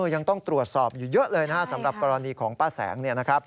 ยังต้องตรวจสอบอยู่เยอะเลยนะสำหรับปรณีของป้าแสงนะครับ